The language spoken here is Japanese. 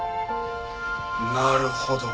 なるほど。